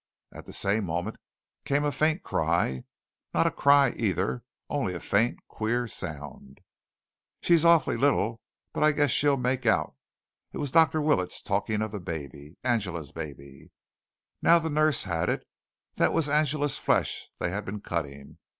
At the same moment came a faint cry not a cry, either only a faint, queer sound. "She's awfully little, but I guess she'll make out." It was Dr. Willets talking of the baby. Angela's baby. Now the nurse had it. That was Angela's flesh they had been cutting.